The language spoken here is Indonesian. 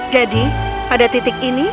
jadi pada titik ini